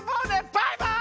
バイバイ！